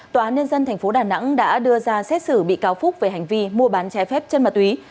tòa án nhân dân tp đà nẵng đã đưa ra xét xử bị cáo phúc về hành vi mua bán trái phép chân ma túy